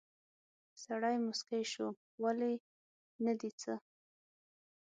سړی موسکی شو: ولې، نه دي څه؟